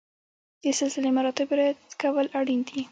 د سلسله مراتبو رعایت کول اړین دي.